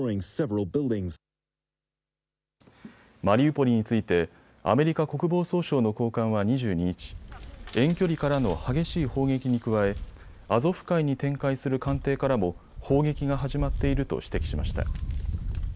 マリウポリについてアメリカ国防総省の高官は２２日、遠距離からの激しい砲撃に加えアゾフ海に展開する艦艇からも砲撃が始まっていると指摘しました。